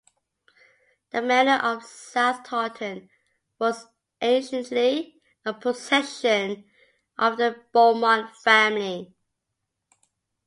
The manor of South Tawton was anciently a possession of the Beaumont family.